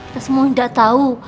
kita semua tidak tahu